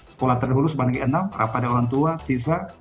sekolah terdahulu semarang negeri enam rapatkan orang tua siswa